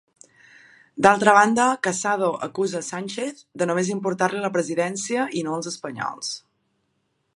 D'altra banda, Casado acusa Sánchez de només importar-li la presidència i no els espanyols.